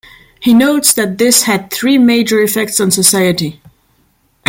He notes that this had three major effects on society.